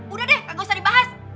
udah deh gak usah dibahas